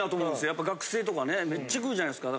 やっぱ学生とかねめっちゃ食うじゃないですか。